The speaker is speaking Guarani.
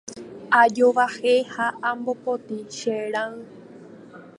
Ajovahéi ha amopotĩ che rãi.